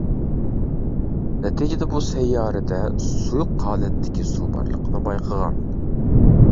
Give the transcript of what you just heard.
نەتىجىدە بۇ سەييارىدە سۇيۇق ھالەتتىكى سۇ بارلىقىنى بايقىغان.